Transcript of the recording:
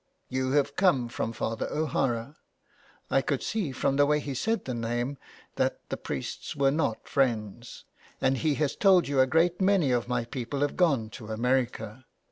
You have come from Father O'Hara ;" I could see from the way he said the name that the priests were not friends ;" and he has told you a great many of my people have gone to America.